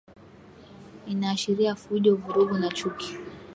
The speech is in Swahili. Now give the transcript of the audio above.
inaashiria fujo vurugu na chuki